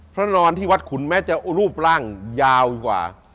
พระนอนที่วัดขุนแม้จะรูปร่างยาวกว่า